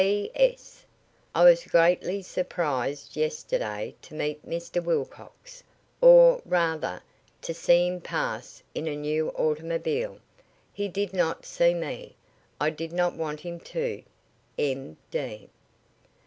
"P.S. I was greatly surprised yesterday to meet Mr. Wilcox, or, rather, to see him pass in a new automobile. He did not see me. I did not want him to. M. D."